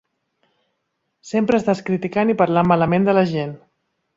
Sempre estàs criticant i parlant malament de la gent.